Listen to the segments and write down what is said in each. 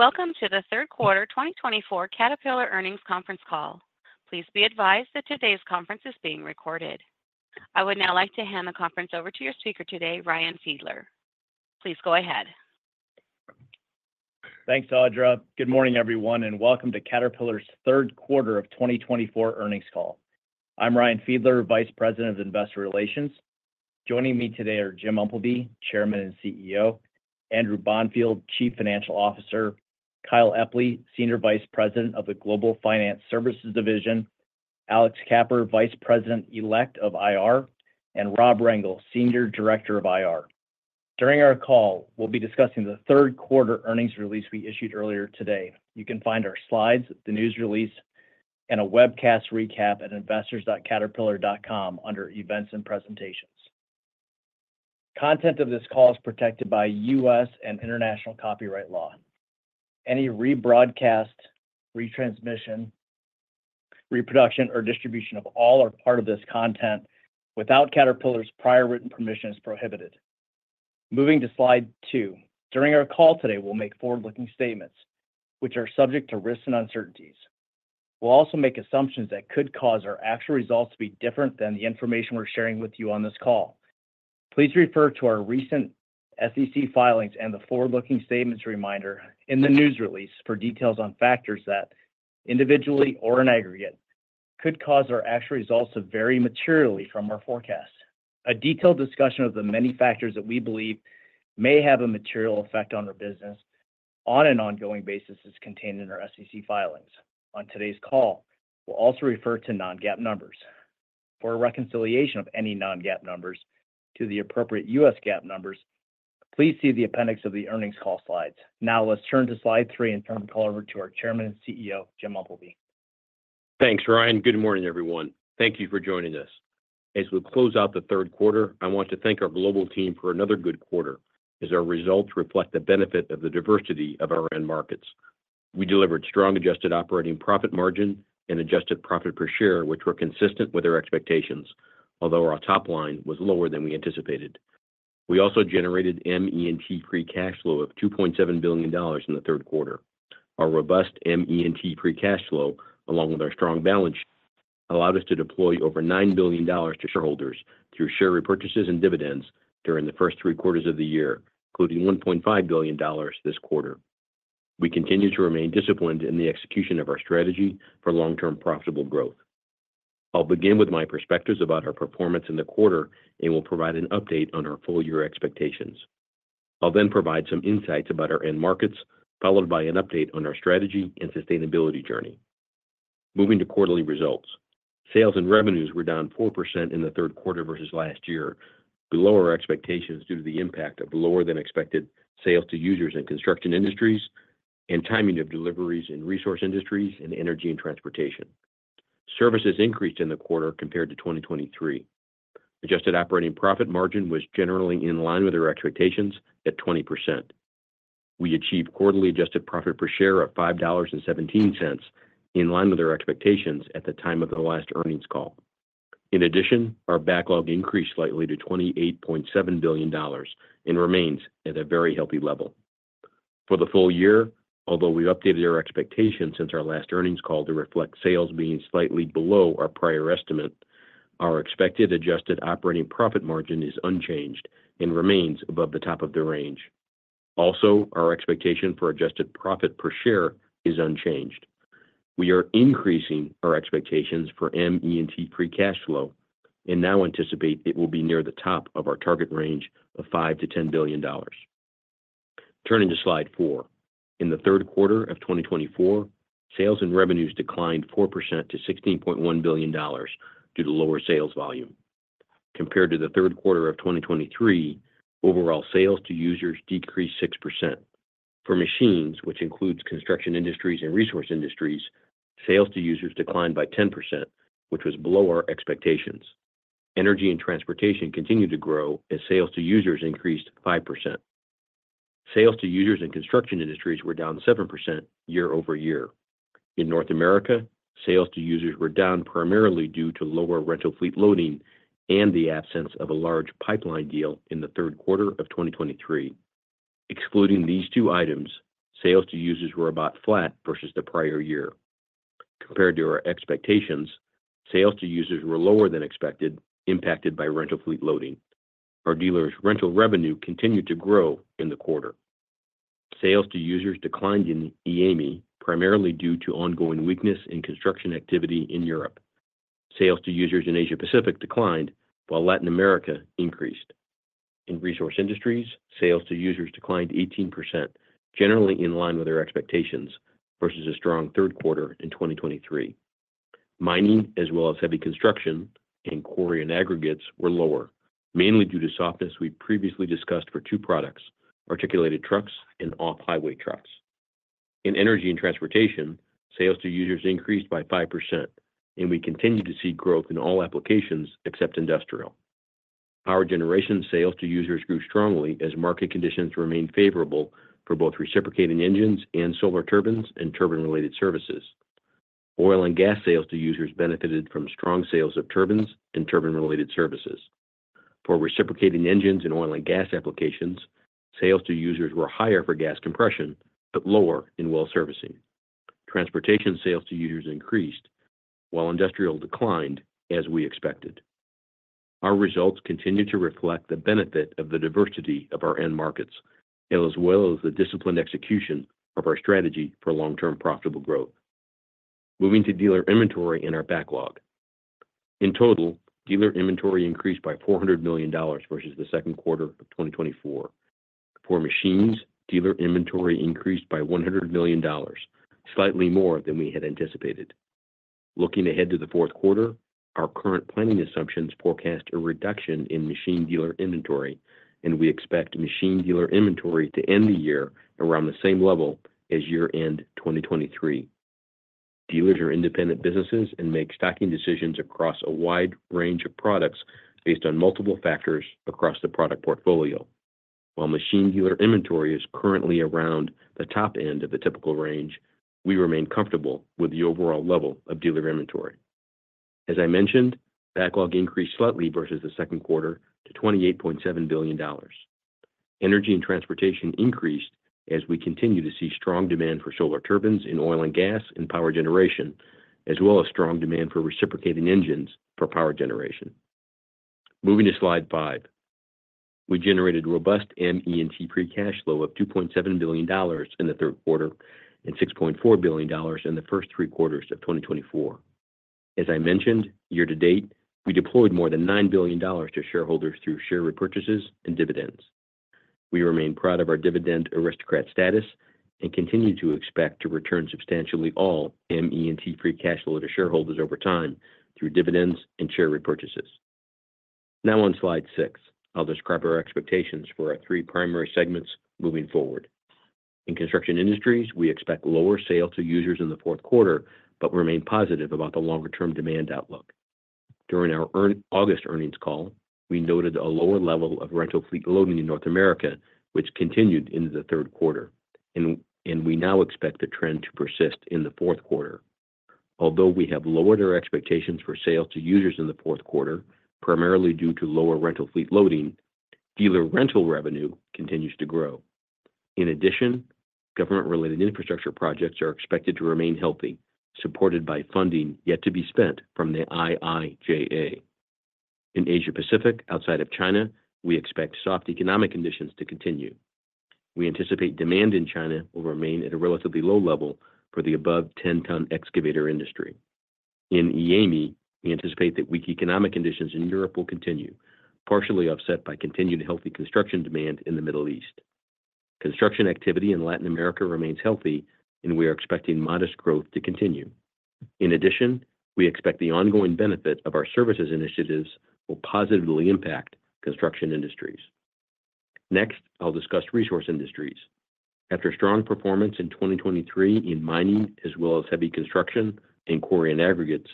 Welcome to the third quarter 2024 Caterpillar earnings conference call. Please be advised that today's conference is being recorded. I would now like to hand the conference over to your speaker today, Ryan Fiedler. Please go ahead. Thanks Audra. Good morning, everyone, and welcome to Caterpillar's third quarter of 2024 earnings call. I'm Ryan Fiedler, Vice President of Investor Relations. Joining me today are Jim Umpleby, Chairman and CEO, Andrew Bonfield, Chief Financial Officer, Kyle Epley, Senior Vice President of the Global Finance Services Division, Alex Cappa, Vice President-elect of IR, and Rob Rangel, Senior Director of IR. During our call, we'll be discussing the third quarter earnings release we issued earlier today. You can find our slides, the news release, and a webcast recap at investors.caterpillar.com under Events and Presentations. Content of this call is protected by U.S. and international copyright law. Any rebroadcast, retransmission, reproduction, or distribution of all or part of this content without Caterpillar's prior written permission is prohibited. Moving to slide two. During our call today, we'll make forward-looking statements, which are subject to risks and uncertainties. We'll also make assumptions that could cause our actual results to be different than the information we're sharing with you on this call. Please refer to our recent SEC filings and the forward-looking statements reminder in the news release for details on factors that, individually or in aggregate, could cause our actual results to vary materially from our forecast. A detailed discussion of the many factors that we believe may have a material effect on our business on an ongoing basis is contained in our SEC filings. On today's call, we'll also refer to non-GAAP numbers. For a reconciliation of any non-GAAP numbers to the appropriate U.S. GAAP numbers, please see the appendix of the earnings call slides. Now, let's turn to slide three and turn the call over to our Chairman and CEO, Jim Umpleby. Thanks Ryan. Good morning, everyone. Thank you for joining us. As we close out the third quarter, I want to thank our global team for another good quarter. As our results reflect the benefit of the diversity of our end markets, we delivered strong Adjusted Operating Profit Margin and Adjusted Profit Per Share, which were consistent with our expectations, although our top line was lower than we anticipated. We also generated ME&T Free Cash Flow of $2.7 billion in the third quarter. Our robust ME&T Free Cash Flow, along with our strong balance sheet, allowed us to deploy over $9 billion to shareholders through share repurchases and dividends during the first three quarters of the year, including $1.5 billion this quarter. We continue to remain disciplined in the execution of our strategy for long-term profitable growth. I'll begin with my perspectives about our performance in the quarter and will provide an update on our full-year expectations. I'll then provide some insights about our end markets, followed by an update on our strategy and sustainability journey. Moving to quarterly results, sales and revenues were down 4% in the third quarter versus last year, below our expectations due to the impact of lower-than-expected sales to users in construction industries and timing of deliveries in resource industries and Energy & Transportation. Services increased in the quarter compared to 2023. Adjusted operating profit margin was generally in line with our expectations at 20%. We achieved quarterly adjusted profit per share of $5.17, in line with our expectations at the time of the last earnings call. In addition, our backlog increased slightly to $28.7 billion and remains at a very healthy level. For the full year, although we've updated our expectations since our last earnings call to reflect sales being slightly below our prior estimate, our expected adjusted operating profit margin is unchanged and remains above the top of the range. Also, our expectation for adjusted profit per share is unchanged. We are increasing our expectations for ME&T free cash flow and now anticipate it will be near the top of our target range of $5billion-$10 billion. Turning to slide four, in the third quarter of 2024, sales and revenues declined 4% to $16.1 billion due to lower sales volume. Compared to the third quarter of 2023, overall sales to users decreased 6%. For machines, which includes construction industries and resource industries, sales to users declined by 10%, which was below our expectations. Energy and transportation continued to grow as sales to users increased 5%. Sales to users in construction industries were down 7% year-over-year. In North America, sales to users were down primarily due to lower rental fleet loading and the absence of a large pipeline deal in the third quarter of 2023. Excluding these two items, sales to users were about flat versus the prior year. Compared to our expectations, sales to users were lower than expected, impacted by rental fleet loading. Our dealer's rental revenue continued to grow in the quarter. Sales to users declined in EAMI, primarily due to ongoing weakness in construction activity in Europe. Sales to users in Asia-Pacific declined, while Latin America increased. In resource industries, sales to users declined 18%, generally in line with our expectations versus a strong third quarter in 2023. Mining, as well as heavy construction and quarry and aggregates, were lower, mainly due to softness we previously discussed for two products: articulated trucks and off-highway trucks. In energy and transportation, sales to users increased by 5%, and we continue to see growth in all applications except industrial. Power generation sales to users grew strongly as market conditions remained favorable for both reciprocating engines and Solar Turbines and turbine-related services. Oil and gas sales to users benefited from strong sales of turbines and turbine-related services. For reciprocating engines and oil and gas applications, sales to users were higher for gas compression but lower in well servicing. Transportation sales to users increased, while industrial declined as we expected. Our results continue to reflect the benefit of the diversity of our end markets, as well as the disciplined execution of our strategy for long-term profitable growth. Moving to dealer inventory and our backlog. In total, dealer inventory increased by $400 million versus the second quarter of 2024. For machines, dealer inventory increased by $100 million, slightly more than we had anticipated. Looking ahead to the fourth quarter, our current planning assumptions forecast a reduction in machine dealer inventory, and we expect machine dealer inventory to end the year around the same level as year-end 2023. Dealers are independent businesses and make stocking decisions across a wide range of products based on multiple factors across the product portfolio. While machine dealer inventory is currently around the top end of the typical range, we remain comfortable with the overall level of dealer inventory. As I mentioned, backlog increased slightly versus the second quarter to $28.7 billion. Energy and Transportation increased as we continue to see strong demand for Solar Turbines and oil and gas and power generation, as well as strong demand for reciprocating engines for power generation. Moving to slide five, we generated robust ME&T free cash flow of $2.7 billion in the third quarter and $6.4 billion in the first three quarters of 2024. As I mentioned, year to date, we deployed more than $9 billion to shareholders through share repurchases and dividends. We remain proud of our dividend aristocrat status and continue to expect to return substantially all ME&T free cash flow to shareholders over time through dividends and share repurchases. Now, on slide six, I'll describe our expectations for our three primary segments moving forward. In Construction Industries, we expect lower sales to users in the fourth quarter but remain positive about the longer-term demand outlook. During our August earnings call, we noted a lower level of rental fleet loading in North America, which continued into the third quarter, and we now expect the trend to persist in the fourth quarter. Although we have lowered our expectations for sales to users in the fourth quarter, primarily due to lower rental fleet loading, dealer rental revenue continues to grow. In addition, government-related infrastructure projects are expected to remain healthy, supported by funding yet to be spent from the IIJA. In Asia-Pacific, outside of China, we expect soft economic conditions to continue. We anticipate demand in China will remain at a relatively low level for the above 10-ton excavator industry. In EAMI, we anticipate that weak economic conditions in Europe will continue, partially offset by continued healthy construction demand in the Middle East. Construction activity in Latin America remains healthy, and we are expecting modest growth to continue. In addition, we expect the ongoing benefit of our services initiatives will positively impact construction industries. Next, I'll discuss resource industries. After strong performance in 2023 in mining, as well as heavy construction and quarry and aggregates,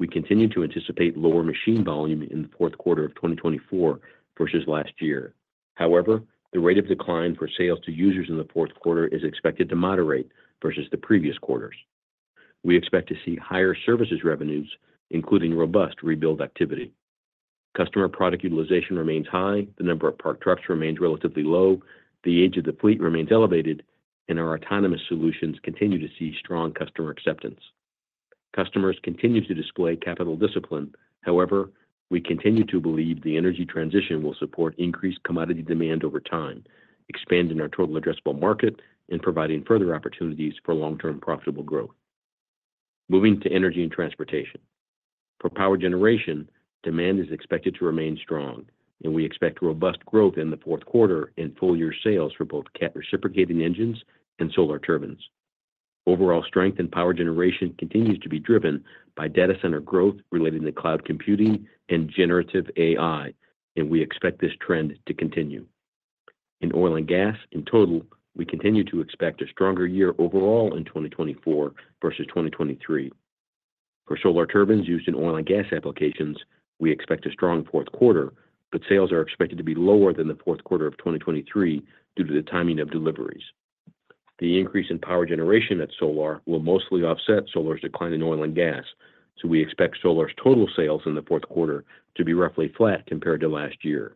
we continue to anticipate lower machine volume in the fourth quarter of 2024 versus last year. However, the rate of decline for sales to users in the fourth quarter is expected to moderate versus the previous quarters. We expect to see higher services revenues, including robust rebuild activity. Customer product utilization remains high, the number of parked trucks remains relatively low, the age of the fleet remains elevated, and our autonomous solutions continue to see strong customer acceptance. Customers continue to display capital discipline. However, we continue to believe the energy transition will support increased commodity demand over time, expanding our total addressable market and providing further opportunities for long-term profitable growth. Moving to energy and transportation. For power generation, demand is expected to remain strong, and we expect robust growth in the fourth quarter in full-year sales for both reciprocating engines and Solar Turbines. Overall strength in power generation continues to be driven by data center growth related to cloud computing and generative AI, and we expect this trend to continue. In oil and gas, in total, we continue to expect a stronger year overall in 2024 vs. 2023. For Solar Turbines used in oil and gas applications, we expect a strong fourth quarter, but sales are expected to be lower than the fourth quarter of 2023 due to the timing of deliveries. The increase in power generation at Solar will mostly offset Solar's decline in oil and gas, so we expect Solar's total sales in the fourth quarter to be roughly flat compared to last year.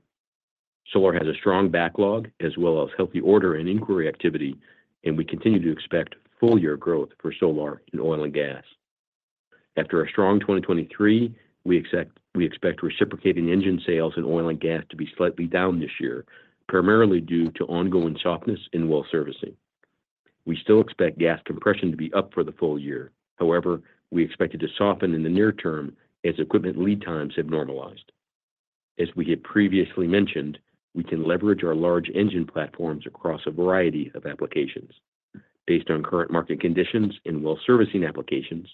Solar has a strong backlog, as well as healthy order and inquiry activity, and we continue to expect full-year growth for solar and oil and gas. After a strong 2023, we expect reciprocating engine sales in oil and gas to be slightly down this year, primarily due to ongoing softness in well servicing. We still expect gas compression to be up for the full year. However, we expect it to soften in the near term as equipment lead times have normalized. As we have previously mentioned, we can leverage our large engine platforms across a variety of applications. Based on current market conditions and well servicing applications,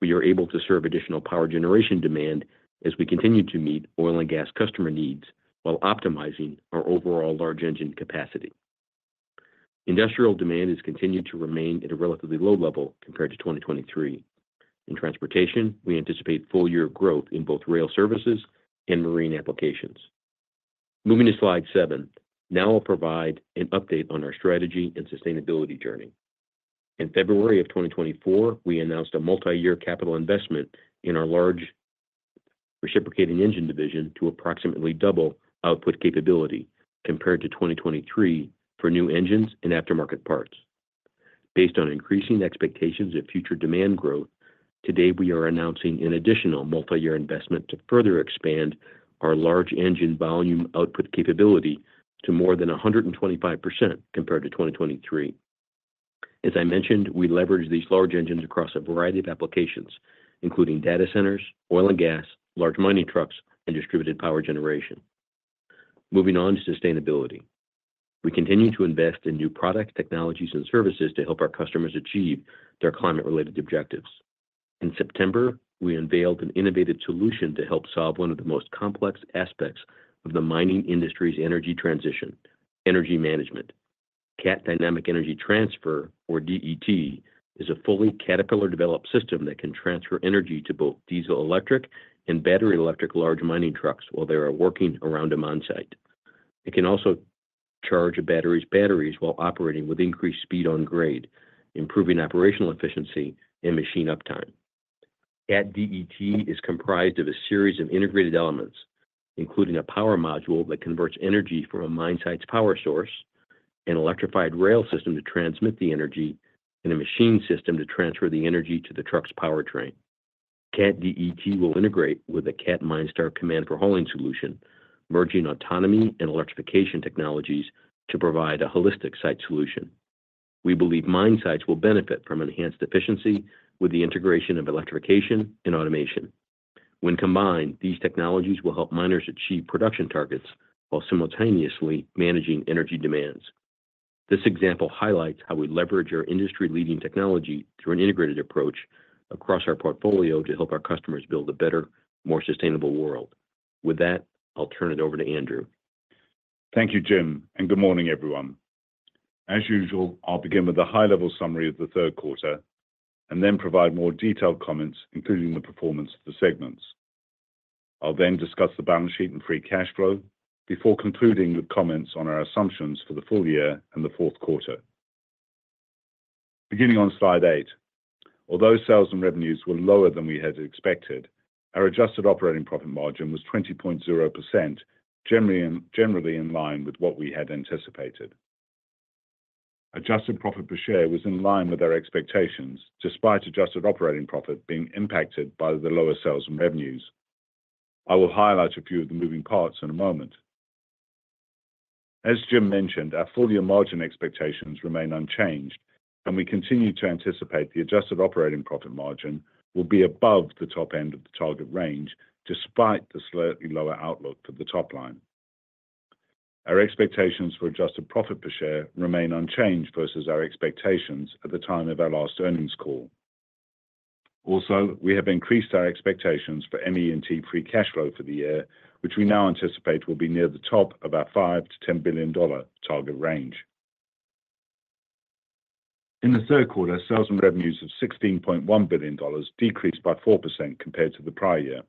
we are able to serve additional power generation demand as we continue to meet oil and gas customer needs while optimizing our overall large engine capacity. Industrial demand has continued to remain at a relatively low level compared to 2023. In transportation, we anticipate full-year growth in both rail services and marine applications. Moving to slide seven, now I'll provide an update on our strategy and sustainability journey. In February of 2024, we announced a multi-year capital investment in our large reciprocating engine division to approximately double output capability compared to 2023 for new engines and aftermarket parts. Based on increasing expectations of future demand growth, today we are announcing an additional multi-year investment to further expand our large engine volume output capability to more than 125% compared to 2023. As I mentioned, we leverage these large engines across a variety of applications, including data centers, oil and gas, large mining trucks, and distributed power generation. Moving on to sustainability, we continue to invest in new products, technologies, and services to help our customers achieve their climate-related objectives. In September, we unveiled an innovative solution to help solve one of the most complex aspects of the mining industry's energy transition: energy management. Cat Dynamic Energy Transfer, or DET, is a fully Caterpillar-developed system that can transfer energy to both diesel-electric and battery-electric large mining trucks while they are working around them on site. It can also charge batteries while operating with increased speed on grade, improving operational efficiency and machine uptime. Cat DET is comprised of a series of integrated elements, including a power module that converts energy from a mine site's power source, an electrified rail system to transmit the energy, and a machine system to transfer the energy to the truck's powertrain. Cat DET will integrate with a Cat MineStar Command for hauling solution, merging autonomy and electrification technologies to provide a holistic site solution. We believe mine sites will benefit from enhanced efficiency with the integration of electrification and automation. When combined, these technologies will help miners achieve production targets while simultaneously managing energy demands. This example highlights how we leverage our industry-leading technology through an integrated approach across our portfolio to help our customers build a better, more sustainable world. With that, I'll turn it over to Andrew. Thank you, Jim, and good morning, everyone. As usual, I'll begin with a high-level summary of the third quarter and then provide more detailed comments, including the performance of the segments. I'll then discuss the balance sheet and free cash flow before concluding with comments on our assumptions for the full year and the fourth quarter. Beginning on slide eight, although sales and revenues were lower than we had expected, our adjusted operating profit margin was 20.0%, generally in line with what we had anticipated. Adjusted profit per share was in line with our expectations, despite adjusted operating profit being impacted by the lower sales and revenues. I will highlight a few of the moving parts in a moment. As Jim mentioned, our full-year margin expectations remain unchanged, and we continue to anticipate the adjusted operating profit margin will be above the top end of the target range, despite the slightly lower outlook for the top line. Our expectations for adjusted profit per share remain unchanged versus our expectations at the time of our last earnings call. Also, we have increased our expectations for ME&T free cash flow for the year, which we now anticipate will be near the top of our $5billion-$10 billion target range. In the third quarter, sales and revenues of $16.1 billion decreased by 4% compared to the prior year.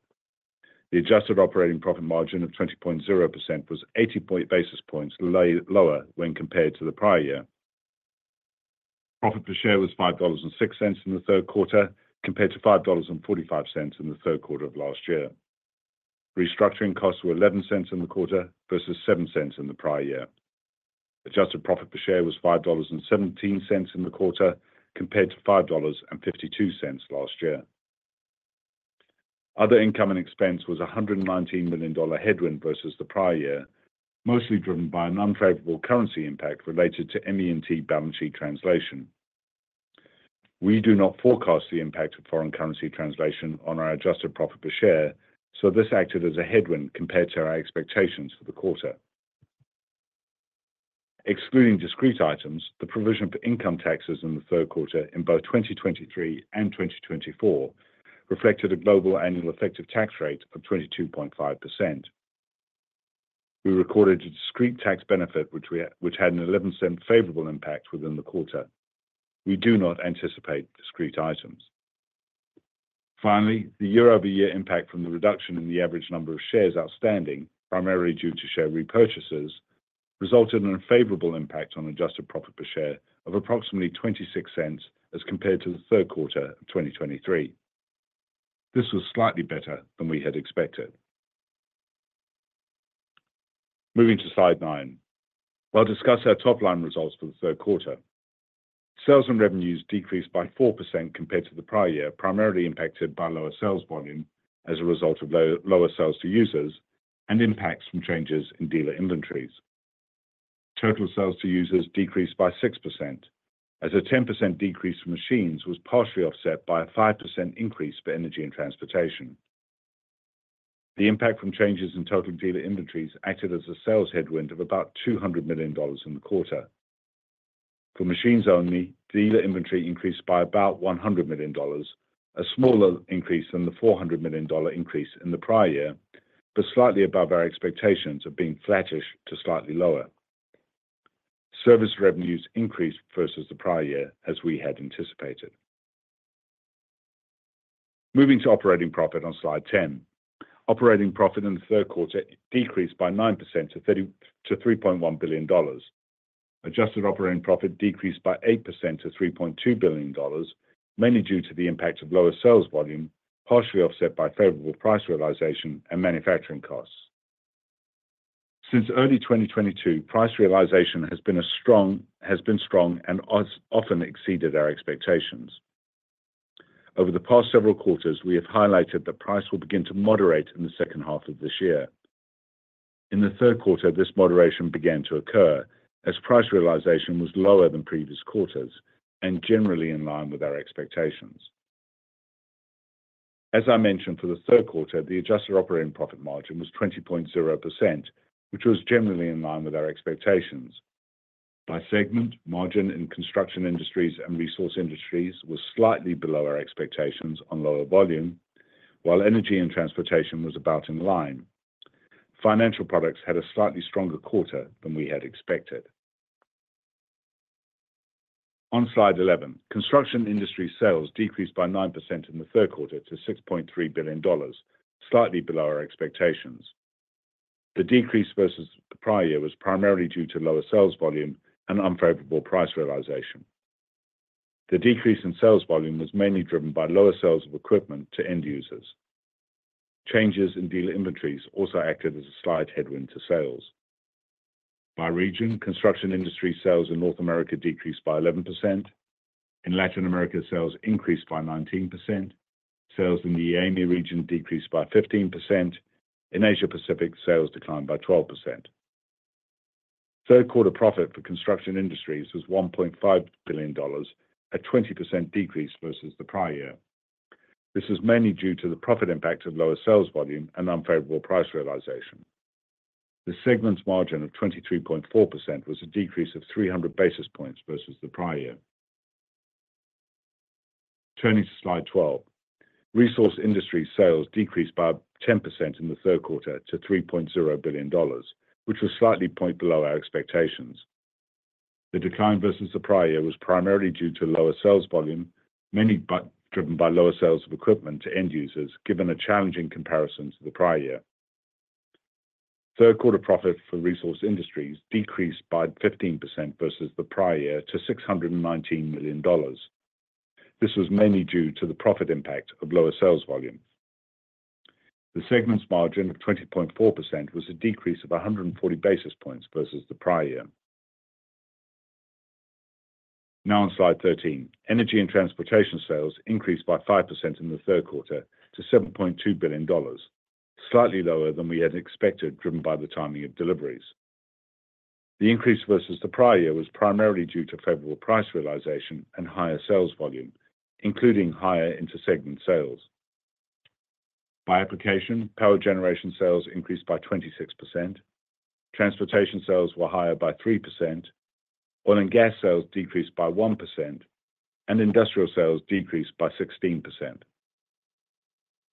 The adjusted operating profit margin of 20.0% was 80 basis points lower when compared to the prior year. Profit per share was $5.06 in the third quarter compared to $5.45 in the third quarter of last year. Restructuring costs were $0.11 in the quarter versus $0.07 in the prior year. Adjusted profit per share was $5.17 in the quarter compared to $5.52 last year. Other income and expense was $119 million headwind versus the prior year, mostly driven by an unfavorable currency impact related to ME&T balance sheet translation. We do not forecast the impact of foreign currency translation on our adjusted profit per share, so this acted as a headwind compared to our expectations for the quarter. Excluding discrete items, the provision for income taxes in the third quarter in both 2023 and 2024 reflected a global annual effective tax rate of 22.5%. We recorded a discrete tax benefit, which had an $0.11 favorable impact within the quarter. We do not anticipate discrete items. Finally, the year-over-year impact from the reduction in the average number of shares outstanding, primarily due to share repurchases, resulted in a favorable impact on adjusted profit per share of approximately $0.26 as compared to the third quarter of 2023. This was slightly better than we had expected. Moving to slide nine, I'll discuss our top line results for the third quarter. Sales and revenues decreased by 4% compared to the prior year, primarily impacted by lower sales volume as a result of lower sales to users and impacts from changes in dealer inventories. Total sales to users decreased by 6%, as a 10% decrease for machines was partially offset by a 5% increase for energy and transportation. The impact from changes in total dealer inventories acted as a sales headwind of about $200 million in the quarter. For machines only, dealer inventory increased by about $100 million, a smaller increase than the $400 million increase in the prior year, but slightly above our expectations of being flattish to slightly lower. Service revenues increased versus the prior year, as we had anticipated. Moving to operating profit on slide 10, operating profit in the third quarter decreased by 9% to $3.1 billion. Adjusted operating profit decreased by 8% to $3.2 billion, mainly due to the impact of lower sales volume, partially offset by favorable price realization and manufacturing costs. Since early 2022, price realization has been strong and has often exceeded our expectations. Over the past several quarters, we have highlighted that price will begin to moderate in the second half of this year. In the third quarter, this moderation began to occur as price realization was lower than previous quarters and generally in line with our expectations. As I mentioned, for the third quarter, the adjusted operating profit margin was 20.0%, which was generally in line with our expectations. By segment, margin in Construction Industries and Resource Industries was slightly below our expectations on lower volume, while Energy and Transportation was about in line. Financial Products had a slightly stronger quarter than we had expected. On Slide 11, Construction Industries sales decreased by 9% in the third quarter to $6.3 billion, slightly below our expectations. The decrease versus the prior year was primarily due to lower sales volume and unfavorable price realization. The decrease in sales volume was mainly driven by lower sales of equipment to end users. Changes in dealer inventories also acted as a slight headwind to sales. By region, construction industry sales in North America decreased by 11%. In Latin America, sales increased by 19%. Sales in the EAMI region decreased by 15%. In Asia-Pacific, sales declined by 12%. Third quarter profit for construction industries was $1.5 billion, a 20% decrease versus the prior year. This is mainly due to the profit impact of lower sales volume and unfavorable price realization. The segment's margin of 23.4% was a decrease of 300 basis points versus the prior year. Turning to slide 12, resource industry sales decreased by 10% in the third quarter to $3.0 billion, which was slightly one point below our expectations. The decline versus the prior year was primarily due to lower sales volume, mainly driven by lower sales of equipment to end users, given a challenging comparison to the prior year. Third quarter profit for resource industries decreased by 15% versus the prior year to $619 million. This was mainly due to the profit impact of lower sales volume. The segment's margin of 20.4% was a decrease of 140 basis points versus the prior year. Now on slide 13, energy and transportation sales increased by 5% in the third quarter to $7.2 billion, slightly lower than we had expected, driven by the timing of deliveries. The increase versus the prior year was primarily due to favorable price realization and higher sales volume, including higher inter-segment sales. By application, power generation sales increased by 26%. Transportation sales were higher by 3%. Oil and gas sales decreased by 1%, and industrial sales decreased by 16%.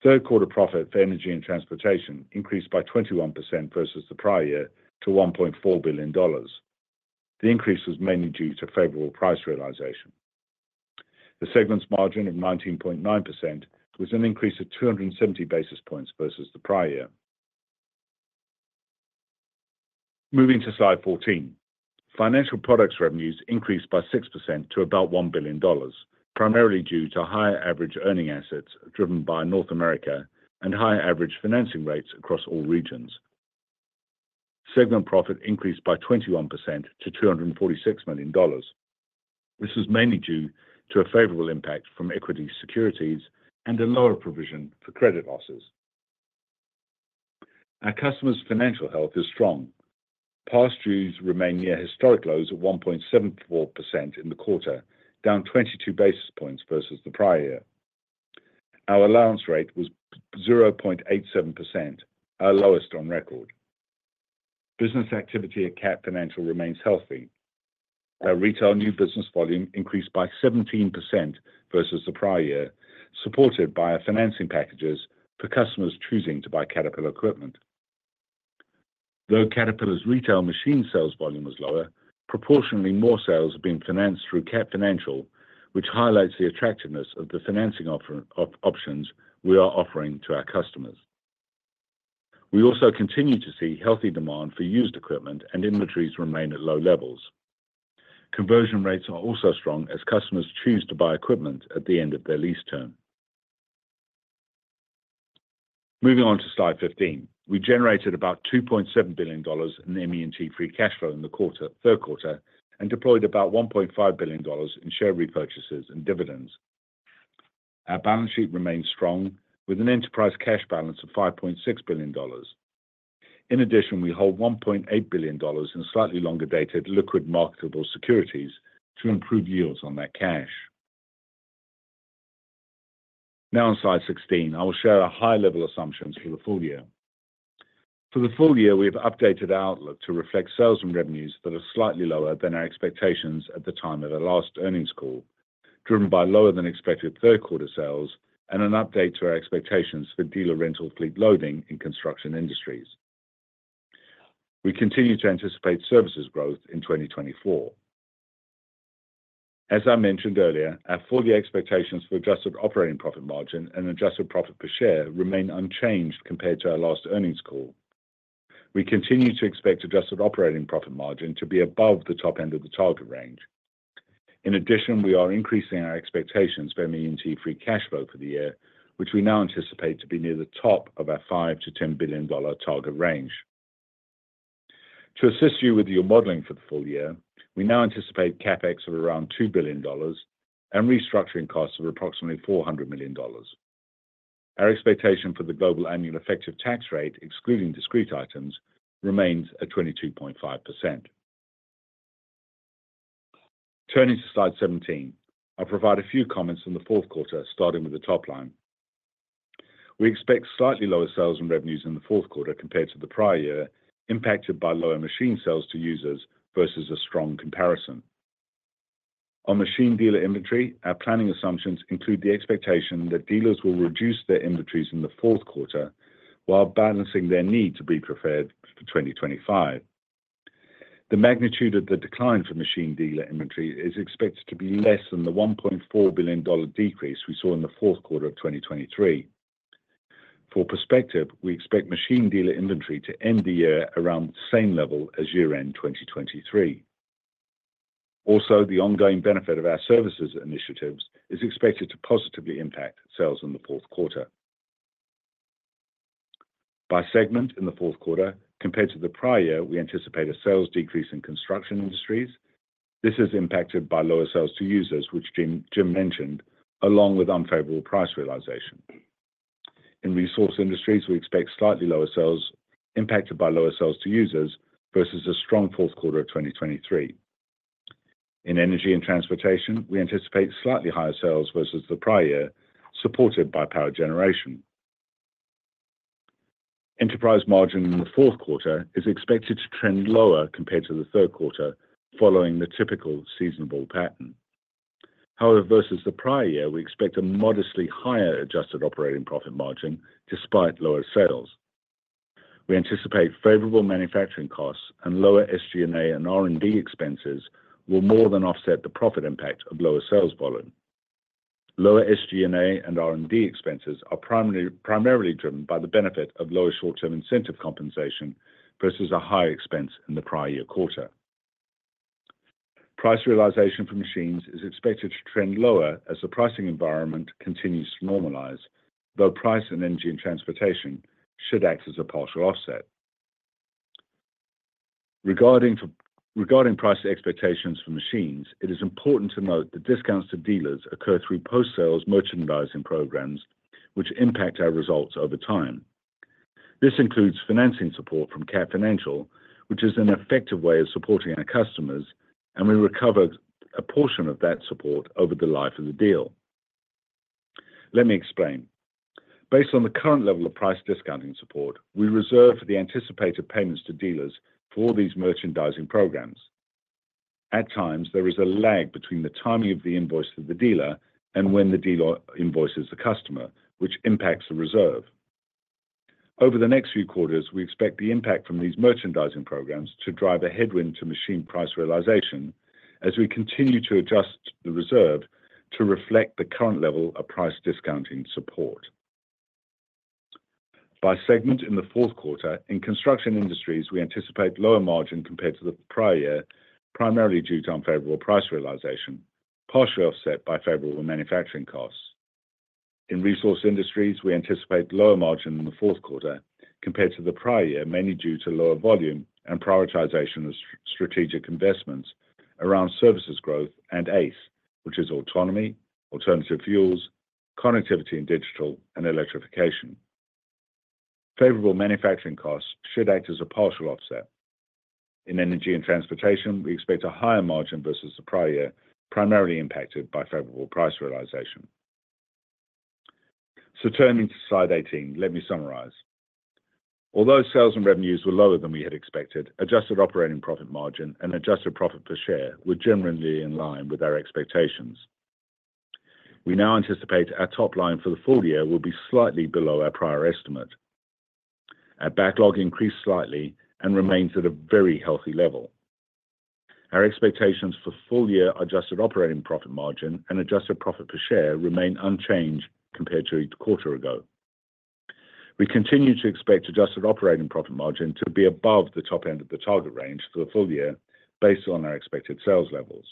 Third quarter profit for energy and transportation increased by 21% versus the prior year to $1.4 billion. The increase was mainly due to favorable price realization. The segment's margin of 19.9% was an increase of 270 basis points versus the prior year. Moving to slide 14, financial products revenues increased by 6% to about $1 billion, primarily due to higher average earning assets driven by North America and higher average financing rates across all regions. Segment profit increased by 21% to $246 million. This was mainly due to a favorable impact from equity securities and a lower provision for credit losses. Our customers' financial health is strong. Past dues remain near historic lows of 1.74% in the quarter, down 22 basis points versus the prior year. Our allowance rate was 0.87%, our lowest on record. Business activity at Cat Financial remains healthy. Our retail new business volume increased by 17% versus the prior year, supported by our financing packages for customers choosing to buy Caterpillar equipment. Though Caterpillar's retail machine sales volume was lower, proportionally more sales have been financed through Cat Financial, which highlights the attractiveness of the financing options we are offering to our customers. We also continue to see healthy demand for used equipment, and inventories remain at low levels. Conversion rates are also strong as customers choose to buy equipment at the end of their lease term. Moving on to slide 15, we generated about $2.7 billion in ME&T free cash flow in the third quarter and deployed about $1.5 billion in share repurchases and dividends. Our balance sheet remains strong, with an enterprise cash balance of $5.6 billion. In addition, we hold $1.8 billion in slightly longer dated liquid marketable securities to improve yields on that cash. Now on slide 16, I will share our high-level assumptions for the full year. For the full year, we have updated our outlook to reflect sales and revenues that are slightly lower than our expectations at the time of our last earnings call, driven by lower-than-expected third-quarter sales and an update to our expectations for dealer rental fleet loading in construction industries. We continue to anticipate services growth in 2024. As I mentioned earlier, our full-year expectations for adjusted operating profit margin and adjusted profit per share remain unchanged compared to our last earnings call. We continue to expect adjusted operating profit margin to be above the top end of the target range. In addition, we are increasing our expectations for ME&T free cash flow for the year, which we now anticipate to be near the top of our $5billion-$10 billion target range. To assist you with your modeling for the full year, we now anticipate CapEx of around $2 billion and restructuring costs of approximately $400 million. Our expectation for the global annual effective tax rate, excluding discrete items, remains at 22.5%. Turning to slide 17, I'll provide a few comments in the fourth quarter, starting with the top line. We expect slightly lower sales and revenues in the fourth quarter compared to the prior year, impacted by lower machine sales to users versus a strong comparison. On machine dealer inventory, our planning assumptions include the expectation that dealers will reduce their inventories in the fourth quarter while balancing their need to be prepared for 2025. The magnitude of the decline for machine dealer inventory is expected to be less than the $1.4 billion decrease we saw in the fourth quarter of 2023. For perspective, we expect machine dealer inventory to end the year around the same level as year-end 2023. Also, the ongoing benefit of our services initiatives is expected to positively impact sales in the fourth quarter. By segment in the fourth quarter, compared to the prior year, we anticipate a sales decrease in construction industries. This is impacted by lower sales to users, which Jim mentioned, along with unfavorable price realization. In resource industries, we expect slightly lower sales, impacted by lower sales to users versus a strong fourth quarter of 2023. In energy and transportation, we anticipate slightly higher sales versus the prior year, supported by power generation. Enterprise margin in the fourth quarter is expected to trend lower compared to the third quarter, following the typical seasonal pattern. However, versus the prior year, we expect a modestly higher adjusted operating profit margin despite lower sales. We anticipate favorable manufacturing costs and lower SG&A and R&D expenses will more than offset the profit impact of lower sales volume. Lower SG&A and R&D expenses are primarily driven by the benefit of lower short-term incentive compensation versus a higher expense in the prior year quarter. Price realization for machines is expected to trend lower as the pricing environment continues to normalize, though price and energy and transportation should act as a partial offset. Regarding price expectations for machines, it is important to note that discounts to dealers occur through post-sales merchandising programs, which impact our results over time. This includes financing support from Cat Financial, which is an effective way of supporting our customers, and we recover a portion of that support over the life of the deal. Let me explain. Based on the current level of price discounting support, we reserve for the anticipated payments to dealers for all these merchandising programs. At times, there is a lag between the timing of the invoice to the dealer and when the dealer invoices the customer, which impacts the reserve. Over the next few quarters, we expect the impact from these merchandising programs to drive a headwind to machine price realization as we continue to adjust the reserve to reflect the current level of price discounting support. By segment in the fourth quarter, in construction industries, we anticipate lower margin compared to the prior year, primarily due to unfavorable price realization, partially offset by favorable manufacturing costs. In resource industries, we anticipate lower margin in the fourth quarter compared to the prior year, mainly due to lower volume and prioritization of strategic investments around services growth and ACE, which is autonomy, alternative fuels, connectivity, digital and electrification. Favorable manufacturing costs should act as a partial offset. In energy and transportation, we expect a higher margin versus the prior year, primarily impacted by favorable price realization. So turning to slide 18, let me summarize. Although sales and revenues were lower than we had expected, adjusted operating profit margin and adjusted profit per share were generally in line with our expectations. We now anticipate our top line for the full year will be slightly below our prior estimate. Our backlog increased slightly and remains at a very healthy level. Our expectations for full-year adjusted operating profit margin and adjusted profit per share remain unchanged compared to a quarter ago. We continue to expect adjusted operating profit margin to be above the top end of the target range for the full year based on our expected sales levels.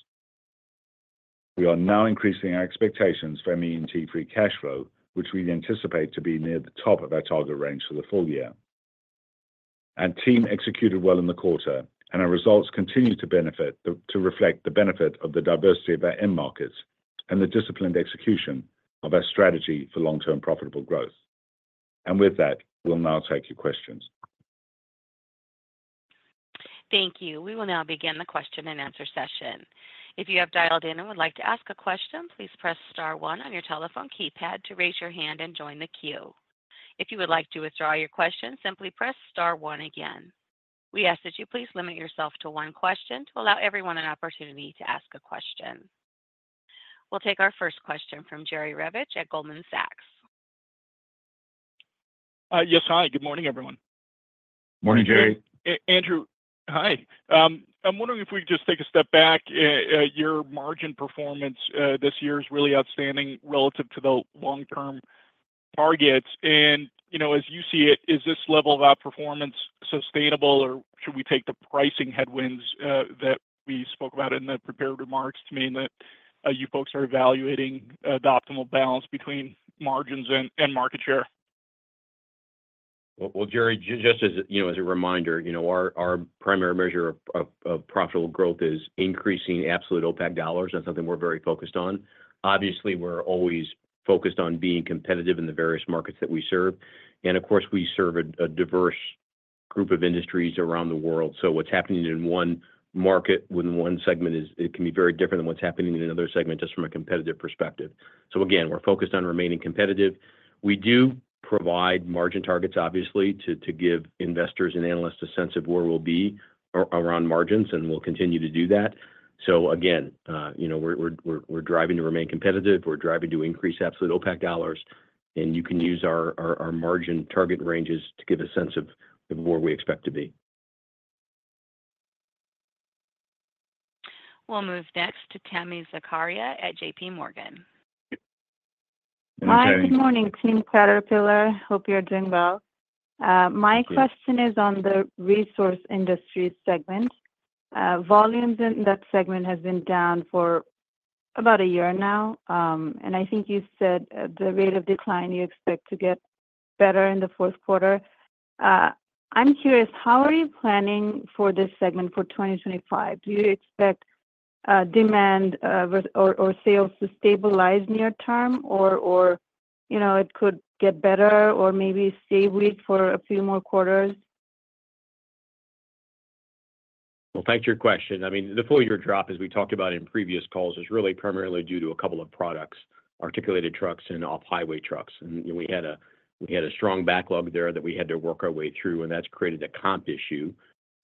We are now increasing our expectations for ME&T free cash flow, which we anticipate to be near the top of our target range for the full year. Our team executed well in the quarter, and our results continue to reflect the benefit of the diversity of our end markets and the disciplined execution of our strategy for long-term profitable growth, and with that, we'll now take your questions. Thank you. We will now begin the question and answer session. If you have dialed in and would like to ask a question, please press star one on your telephone keypad to raise your hand and join the queue. If you would like to withdraw your question, simply press star one again. We ask that you please limit yourself to one question to allow everyone an opportunity to ask a question. We'll take our first question from Jerry Revich at Goldman Sachs. Yes, hi. Good morning, everyone. Morning, Jerry. Andrew, hi. I'm wondering if we could just take a step back. Your margin performance this year is really outstanding relative to the long-term targets. And as you see it, is this level of outperformance sustainable, or should we take the pricing headwinds that we spoke about in the prepared remarks to mean that you folks are evaluating the optimal balance between margins and market share? Jerry, just as a reminder, our primary measure of profitable growth is increasing absolute EBIT dollars. That's something we're very focused on. Obviously, we're always focused on being competitive in the various markets that we serve. And of course, we serve a diverse group of industries around the world. So what's happening in one market within one segment can be very different than what's happening in another segment just from a competitive perspective. So again, we're focused on remaining competitive. We do provide margin targets, obviously, to give investors and analysts a sense of where we'll be around margins, and we'll continue to do that. So again, we're driving to remain competitive. We're driving to increase absolute EBIT dollars. And you can use our margin target ranges to give a sense of where we expect to be. We'll move next to Tami Zakaria at JPMorgan. Hi. Good morning. Hope you're doing well. My question is on the resource industry segment. Volumes in that segment have been down for about a year now, and I think you said the rate of decline you expect to get better in the fourth quarter. I'm curious, how are you planning for this segment for 2025? Do you expect demand or sales to stabilize near term, or it could get better or maybe stay weak for a few more quarters? Well, thanks for your question. I mean, the full-year drop, as we talked about in previous calls, is really primarily due to a couple of products, articulated trucks and off-highway trucks, and we had a strong backlog there that we had to work our way through, and that's created a comp issue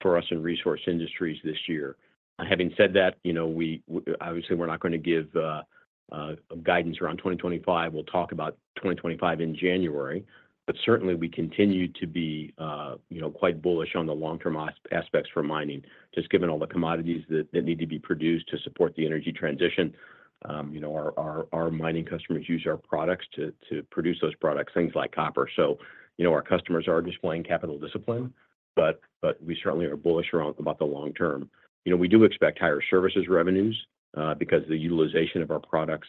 for us in resource industries this year. Having said that, obviously, we're not going to give guidance around 2025. We'll talk about 2025 in January. But certainly, we continue to be quite bullish on the long-term aspects for mining, just given all the commodities that need to be produced to support the energy transition. Our mining customers use our products to produce those products, things like copper. So our customers are displaying capital discipline, but we certainly are bullish about the long term. We do expect higher services revenues because the utilization of our products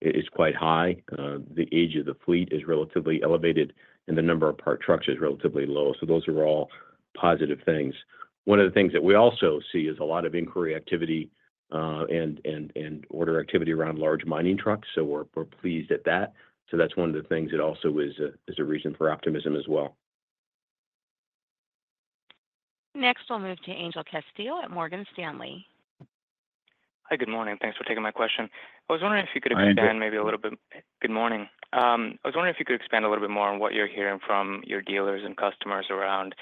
is quite high. The age of the fleet is relatively elevated, and the number of trucks is relatively low. So those are all positive things. One of the things that we also see is a lot of inquiry activity and order activity around large mining trucks. So we're pleased at that. So that's one of the things that also is a reason for optimism as well. Next, we'll move to Angel Castillo at Morgan Stanley. Hi, good morning. Thanks for taking my question. I was wondering if you could expand a little bit more on what you're hearing from your dealers and customers around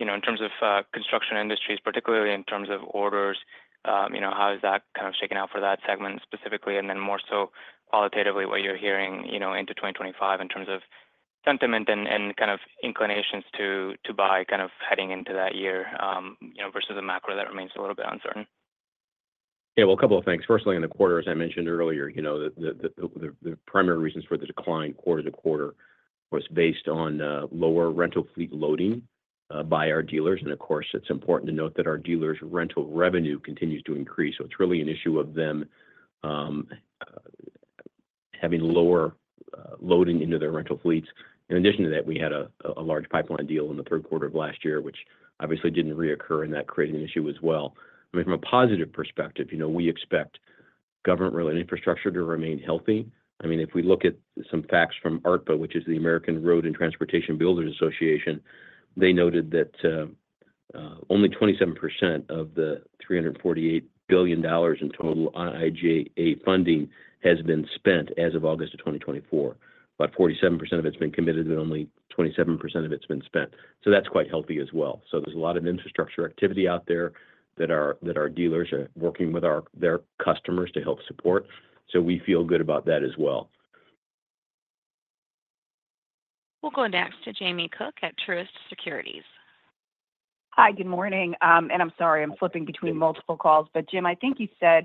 in terms of construction industries, particularly in terms of orders. How has that kind of shaken out for that segment specifically, and then more so qualitatively what you're hearing into 2025 in terms of sentiment and kind of inclinations to buy kind of heading into that year versus a macro that remains a little bit uncertain? Yeah, well, a couple of things. Firstly, in the quarter, as I mentioned earlier, the primary reasons for the decline quarter to quarter was based on lower rental fleet loading by our dealers, and of course, it's important to note that our dealers' rental revenue continues to increase, so it's really an issue of them having lower loading into their rental fleets. In addition to that, we had a large pipeline deal in the third quarter of last year, which obviously didn't reoccur, and that created an issue as well. I mean, from a positive perspective, we expect government-related infrastructure to remain healthy. I mean, if we look at some facts from ARTBA, which is the American Road and Transportation Builders Association, they noted that only 27% of the $348 billion in total IIJA funding has been spent as of August of 2024. About 47% of it's been committed, but only 27% of it's been spent. So that's quite healthy as well. So there's a lot of infrastructure activity out there that our dealers are working with their customers to help support. So we feel good about that as well. We'll go next to Jamie Cook at Truist Securities. Hi, good morning. And I'm sorry, I'm flipping between multiple calls. But Jim, I think you said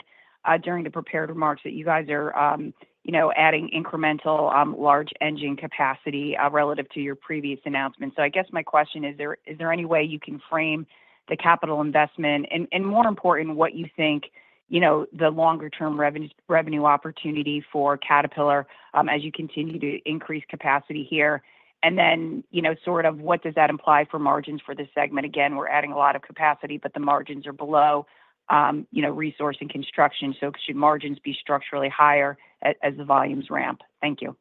during the prepared remarks that you guys are adding incremental large engine capacity relative to your previous announcement. So I guess my question is, is there any way you can frame the capital investment and, more important, what you think the longer-term revenue opportunity for Caterpillar as you continue to increase capacity here? And then sort of what does that imply for margins for this segment? Again, we're adding a lot of capacity, but the margins are below resource and construction. So should margins be structurally higher as the volumes ramp? Thank you.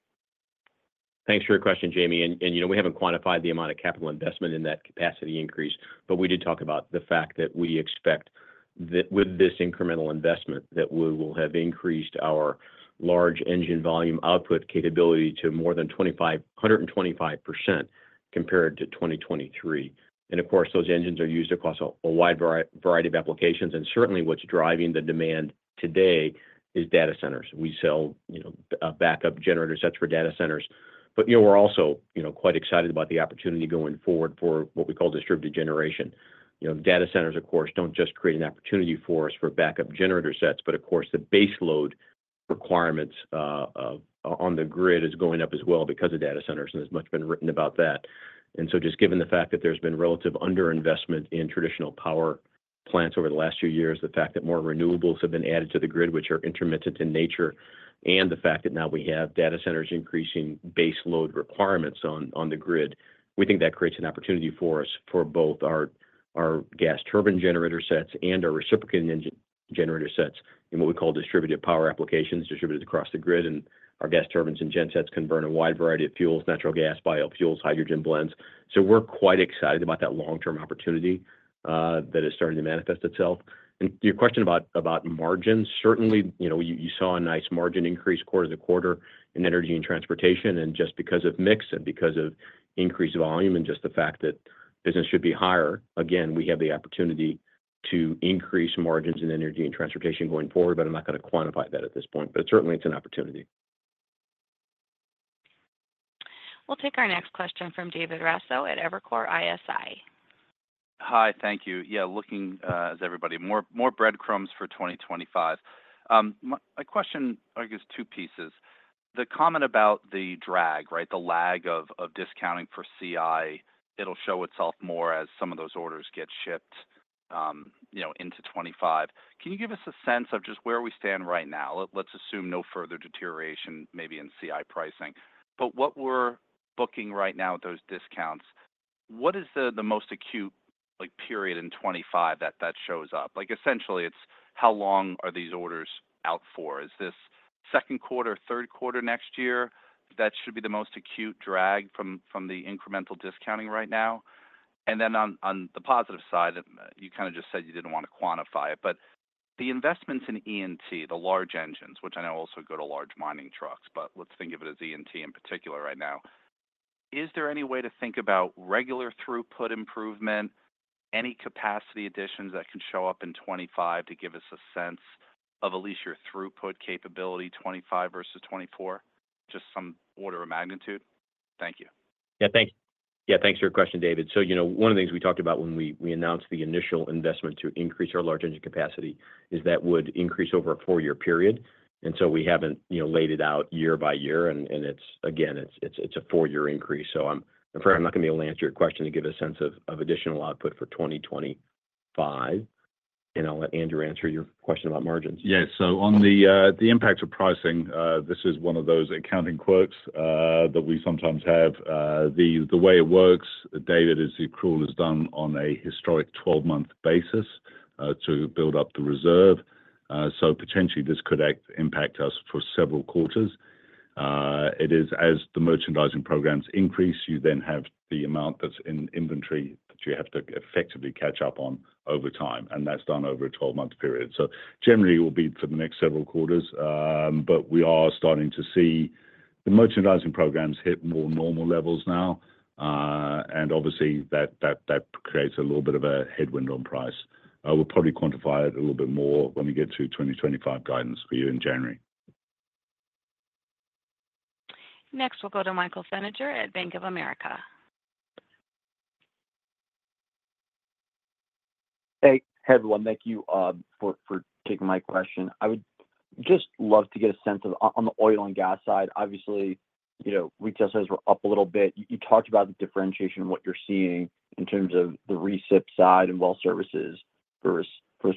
Thanks for your question, Jamie. And we haven't quantified the amount of capital investment in that capacity increase, but we did talk about the fact that we expect that with this incremental investment that we will have increased our large engine volume output capability to more than 125% compared to 2023. And of course, those engines are used across a wide variety of applications. And certainly, what's driving the demand today is data centers. We sell backup generator sets for data centers. But we're also quite excited about the opportunity going forward for what we call distributed generation. Data centers, of course, don't just create an opportunity for us for backup generator sets, but of course, the base load requirements on the grid are going up as well because of data centers, and there's much been written about that, and so just given the fact that there's been relative underinvestment in traditional power plants over the last few years, the fact that more renewables have been added to the grid, which are intermittent in nature, and the fact that now we have data centers increasing base load requirements on the grid, we think that creates an opportunity for us for both our gas turbine generator sets and our reciprocating engine generator sets in what we call distributed power applications distributed across the grid, and our gas turbines and gensets can burn a wide variety of fuels: natural gas, biofuels, hydrogen blends. So we're quite excited about that long-term opportunity that is starting to manifest itself, and your question about margins, certainly, you saw a nice margin increase quarter to quarter in energy and transportation, and just because of mix and because of increased volume and just the fact that business should be higher, again, we have the opportunity to increase margins in energy and transportation going forward, but I'm not going to quantify that at this point, but certainly, it's an opportunity. We'll take our next question from David Raso at Evercore ISI. Hi, thank you. Yeah, looking as everybody, more breadcrumbs for 2025. My question, I guess, two pieces. The comment about the drag, right, the lag of discounting for CI, it'll show itself more as some of those orders get shipped into 2025. Can you give us a sense of just where we stand right now? Let's assume no further deterioration, maybe in CI pricing. But what we're booking right now with those discounts, what is the most acute period in 2025 that that shows up? Essentially, it's how long are these orders out for? Is this second quarter, third quarter next year that should be the most acute drag from the incremental discounting right now? And then on the positive side, you kind of just said you didn't want to quantify it. But the investments in E&T, the large engines, which I know also go to large mining trucks, but let's think of it as E&T in particular right now. Is there any way to think about regular throughput improvement, any capacity additions that can show up in 2025 to give us a sense of at least your throughput capability 2025 versus 2024, just some order of magnitude? Thank you. Yeah, thanks. Yeah, thanks for your question, David. So one of the things we talked about when we announced the initial investment to increase our large engine capacity is that would increase over a four-year period. And so we haven't laid it out year by year, and again, it's a four-year increase. So I'm afraid I'm not going to be able to answer your question to give a sense of additional output for 2025. And I'll let Andrew answer your question about margins. Yeah. So on the impact of pricing, this is one of those accounting quirks that we sometimes have. The way it works, David, is it rolls down on a historical 12-month basis to build up the reserve. So potentially, this could impact us for several quarters. It is as the merchandising programs increase, you then have the amount that's in inventory that you have to effectively catch up on over time. And that's done over a 12-month period. So generally, it will be for the next several quarters. But we are starting to see the merchandising programs hit more normal levels now. And obviously, that creates a little bit of a headwind on price. We'll probably quantify it a little bit more when we get to 2025 guidance for you in January. Next, we'll go to Michael Feniger at Bank of America. Hey, everyone. Thank you for taking my question. I would just love to get a sense of on the oil and gas side. Obviously, retail sales were up a little bit. You talked about the differentiation of what you're seeing in terms of the recip side and well services versus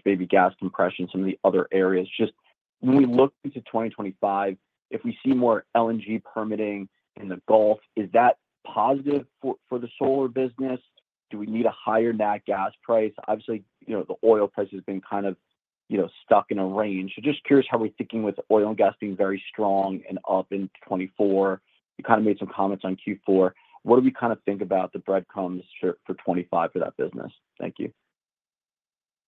baby gas compression, some of the other areas. Just when we look into 2025, if we see more LNG permitting in the Gulf, is that positive for the solar business? Do we need a higher natural gas price? Obviously, the oil price has been kind of stuck in a range. So just curious how we're thinking with oil and gas being very strong and up in 2024. You kind of made some comments on Q4. What do we kind of think about the breadcrumbs for 2025 for that business? Thank you.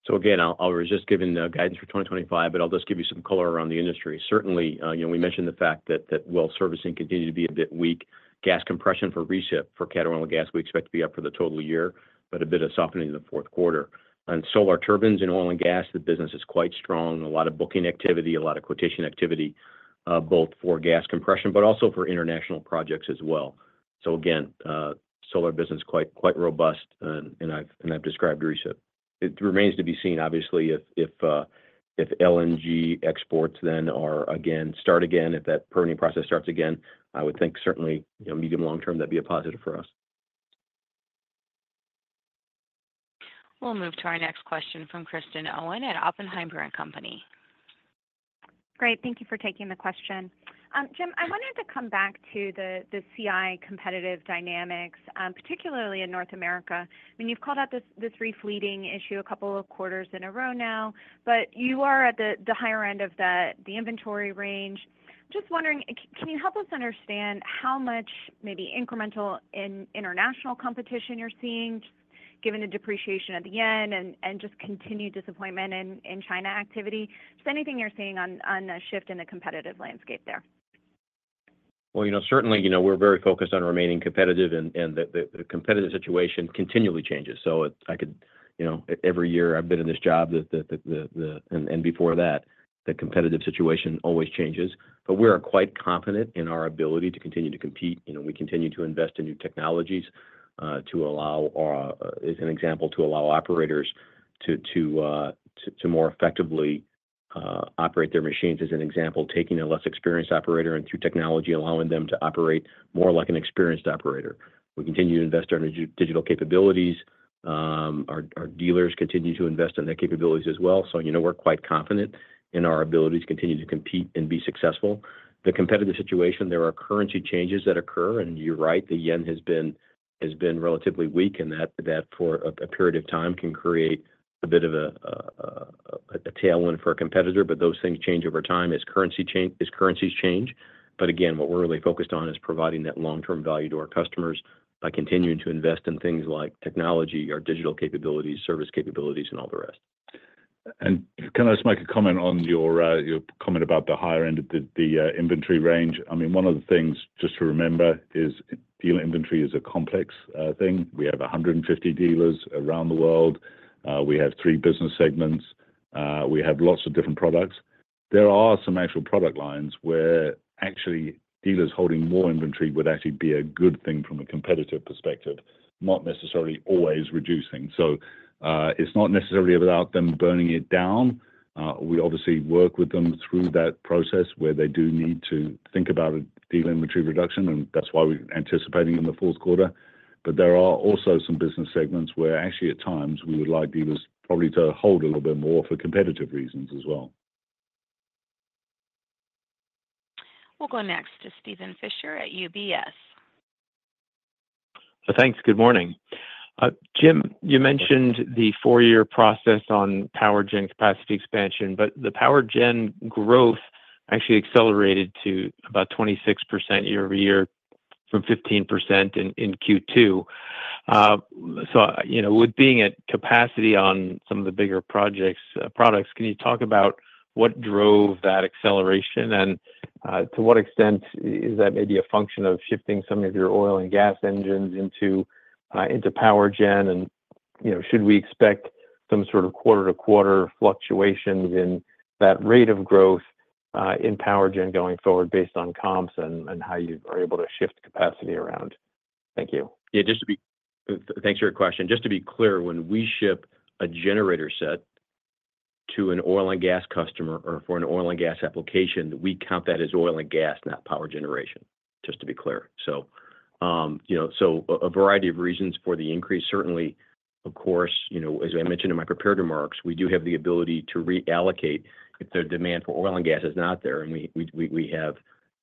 So again, we just haven't given guidance for 2025, but I'll just give you some color around the industry. Certainly, we mentioned the fact that well servicing continued to be a bit weak. Gas compression for recip for Caterpillar gas, we expect to be up for the total year, but a bit of softening in the fourth quarter. On Solar Turbines and oil and gas, the business is quite strong. A lot of booking activity, a lot of quotation activity, both for gas compression, but also for international projects as well. So again, Solar business quite robust, and I've described recip. It remains to be seen, obviously, if LNG exports then are again start again, if that permitting process starts again. I would think certainly medium-long term that'd be a positive for us. We'll move to our next question from Kristen Owen at Oppenheimer & Co. Great. Thank you for taking the question. Jim, I wanted to come back to the CI competitive dynamics, particularly in North America. I mean, you've called out this re-fleeting issue a couple of quarters in a row now, but you are at the higher end of the inventory range. Just wondering, can you help us understand how much maybe incremental international competition you're seeing, given the depreciation at the end and just continued disappointment in China activity? Just anything you're seeing on the shift in the competitive landscape there? Certainly, we're very focused on remaining competitive, and the competitive situation continually changes. So I could every year I've been in this job and before that, the competitive situation always changes. But we are quite confident in our ability to continue to compete. We continue to invest in new technologies to allow operators to more effectively operate their machines, as an example, taking a less experienced operator and through technology, allowing them to operate more like an experienced operator. We continue to invest in our digital capabilities. Our dealers continue to invest in their capabilities as well. We're quite confident in our ability to continue to compete and be successful. The competitive situation. There are currency changes that occur. You're right, the yen has been relatively weak, and that for a period of time can create a bit of a tailwind for a competitor. Those things change over time as currencies change. Again, what we're really focused on is providing that long-term value to our customers by continuing to invest in things like technology, our digital capabilities, service capabilities, and all the rest. Can I just make a comment on your comment about the higher end of the inventory range? I mean, one of the things just to remember is dealer inventory is a complex thing. We have 150 dealers around the world. We have three business segments. We have lots of different products. There are some actual product lines where actually dealers holding more inventory would actually be a good thing from a competitive perspective, not necessarily always reducing. So it's not necessarily about them burning it down. We obviously work with them through that process where they do need to think about dealer inventory reduction, and that's why we're anticipating in the fourth quarter. But there are also some business segments where actually at times we would like dealers probably to hold a little bit more for competitive reasons as well. We'll go next to Steven Fisher at UBS. Thanks. Good morning. Jim, you mentioned the four-year process on power gen capacity expansion, but the power gen growth actually accelerated to about 26% year-over-year from 15% in Q2. So with being at capacity on some of the bigger projects, products, can you talk about what drove that acceleration? And to what extent is that maybe a function of shifting some of your oil and gas engines into power gen? And should we expect some sort of quarter-to-quarter fluctuations in that rate of growth in power gen going forward based on comps and how you are able to shift capacity around? Thank you. Yeah, thanks for your question. Just to be clear, when we ship a generator set to an oil and gas customer or for an oil and gas application, we count that as oil and gas, not power generation, just to be clear. So a variety of reasons for the increase. Certainly, of course, as I mentioned in my prepared remarks, we do have the ability to reallocate if the demand for oil and gas is not there and we have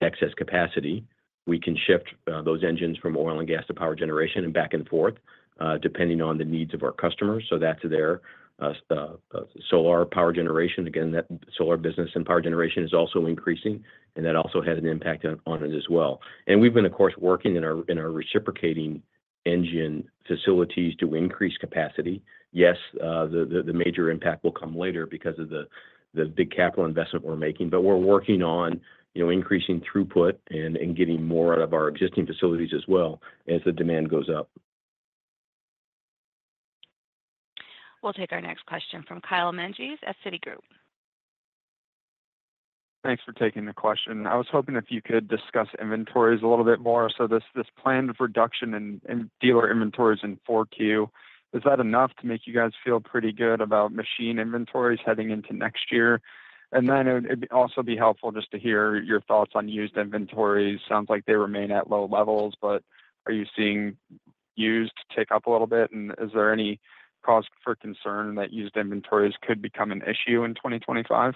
excess capacity. We can shift those engines from oil and gas to power generation and back and forth depending on the needs of our customers. So that's there. Solar power generation, again, that solar business and power generation is also increasing, and that also has an impact on it as well. And we've been, of course, working in our reciprocating engine facilities to increase capacity. Yes, the major impact will come later because of the big capital investment we're making. But we're working on increasing throughput and getting more out of our existing facilities as well as the demand goes up. We'll take our next question from Kyle Menges at Citigroup. Thanks for taking the question. I was hoping if you could discuss inventories a little bit more. So this planned reduction in dealer inventories in Q4, is that enough to make you guys feel pretty good about machine inventories heading into next year? And then it'd also be helpful just to hear your thoughts on used inventories. Sounds like they remain at low levels, but are you seeing used take up a little bit? And is there any cause for concern that used inventories could become an issue in 2025?